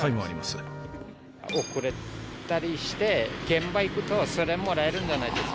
遅れたりして現場行くとそれもらえるじゃないですか。